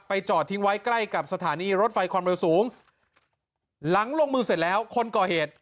จอดทิ้งไว้ใกล้กับสถานีรถไฟความเร็วสูงหลังลงมือเสร็จแล้วคนก่อเหตุ